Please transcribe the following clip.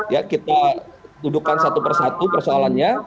ya kita dudukan satu persatu persoalannya